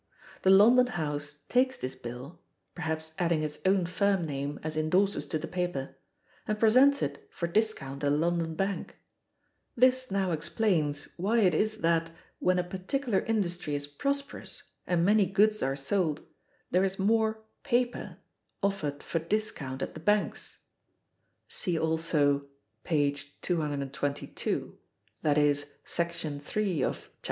The London house takes this bill (perhaps adding its own firm name as indorsers to the paper), and presents it for discount at a London bank. This now explains why it is that, when a particular industry is prosperous and many goods are sold, there is more "paper" offered for discount at the banks (cf. p.